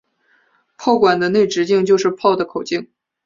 炮管的内直径就是炮的口径。